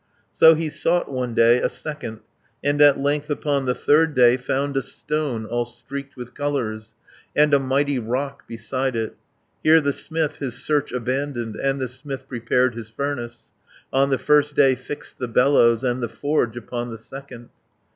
So he sought one day, a second, And at length upon the third day 300 Found a stone all streaked with colours, And a mighty rock beside it. Here the smith his search abandoned, And the smith prepared his furnace, On the first day fixed the bellows, And the forge upon the second.